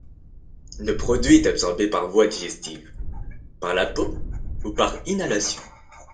Le produit est absorbé par voie digestive, par la peau ou par inhalation.